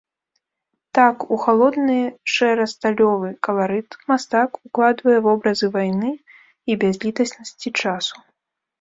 Так, у халодны, шэра-сталёвы каларыт мастак укладвае вобразы вайны і бязлітаснасці часу.